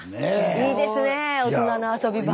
いいですねぇ大人の遊び場。